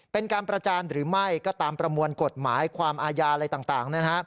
เป็นการประจานหรือไม่ก็ตามประมวลกฎหมายความอาญาอะไรต่าง